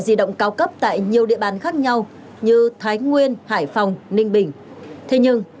di động cao cấp tại nhiều địa bàn khác nhau như thái nguyên hải phòng ninh bình thế nhưng